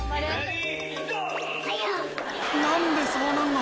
何でそうなんの？